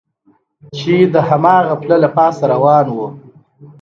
چې د هماغه پله له پاسه روان و.